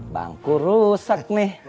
bangku rusak nih